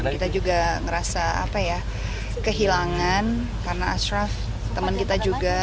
kita juga ngerasa kehilangan karena ashraf teman kita juga